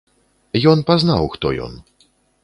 Ён пазнаў, хто ён.